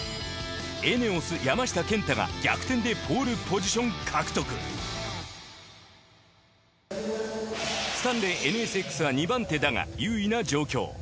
エネオス山下健太が逆転でポールポジション獲得スタンレーＮＳＸは２番手だが優位な状況。